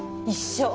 一緒。